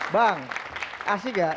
bang asik gak